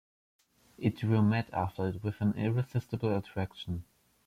It drew Matt after it with an irresistible attraction.